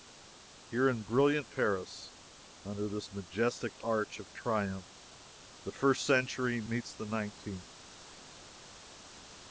Here in brilliant Paris, under this majestic Arch of Triumph, the First Century greets the Nineteenth!